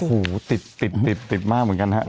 โอ้โหติดติดมากเหมือนกันฮะ